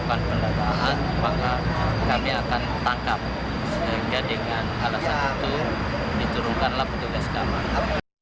sehingga dengan alasan itu diturunkanlah petugas keamanan